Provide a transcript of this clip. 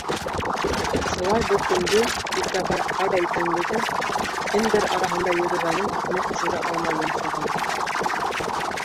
Шулай бер көндө Иркәбай ҡайҙа икәнлеген, кемдәр араһында йөрөгәнен иҫенә төшөрә алмай йонсоған.